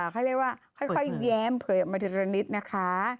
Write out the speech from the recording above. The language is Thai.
เขาเรียกว่าค่อยแย้มเผยออกมาทีละนิดนะคะ